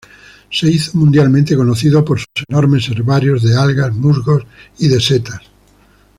Se hizo mundialmente conocido por sus enormes herbarios de algas, musgos y de setas.